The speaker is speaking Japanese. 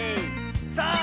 さあ